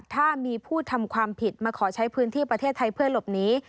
ถ้ามีผู้ทำความผิดมาขอใช้พื้นที่ประเทศไทยเพื่อหลบหนี